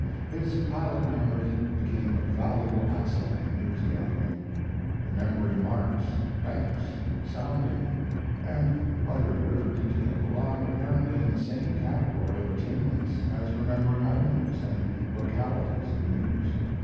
His pilot memory became a valuable asset in news gathering. Remembering marks, banks, sounding, and other river detail belonged apparently in the same category of attainments as remembering items and localities of news.